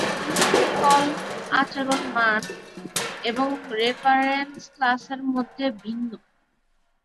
পদ্ধতি কল আচরণ মান এবং রেফারেন্স ক্লাসের মধ্যে ভিন্ন।